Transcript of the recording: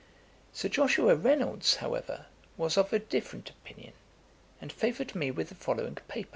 Sir Joshua Reynolds, however, was of a different opinion, and favoured me with the following paper.